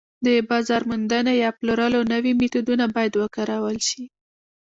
د بازار موندنې یا پلورلو نوي میتودونه باید وکارول شي